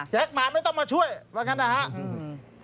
แท็กหมาไม่ต้องมาช่วยว่างั้นนะฮะ